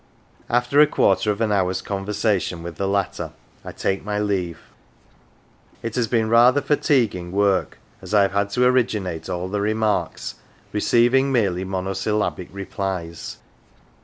After a quarter of an hour's conversation with the latter, I take my leave : it has been rather fatiguing work, as I have had to originate all the remarks, receiving merely monosyllabic replies.